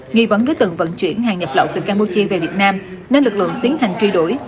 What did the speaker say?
nghi vấn đối tượng vận chuyển hàng nhập lậu từ campuchia về việt nam nên lực lượng tiến hành truy đuổi